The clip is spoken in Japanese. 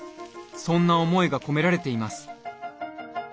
そんな思いが込められています。